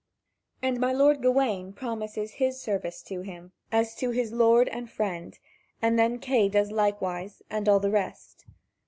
And my lord Gawain promises his service to him, as to his lord and friend, and then Kay does likewise, and all the rest.